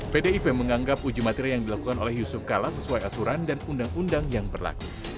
pdip menganggap uji materi yang dilakukan oleh yusuf kala sesuai aturan dan undang undang yang berlaku